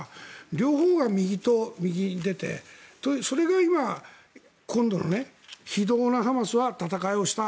両方が右と右に出てそれが今、今度のハマスは非道な戦いをした。